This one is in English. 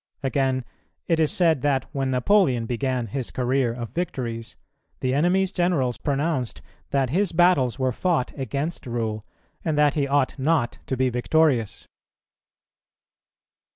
Again, it is said that when Napoleon began his career of victories, the enemy's generals pronounced that his battles were fought against rule, and that he ought not to be victorious.